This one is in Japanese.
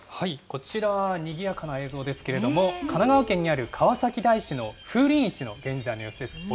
こちらはにぎやかな映像ですけれども、神奈川県にある川崎大師の風鈴市の現在の様子です。